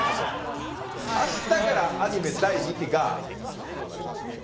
明日からアニメ第２期が始まりますんで。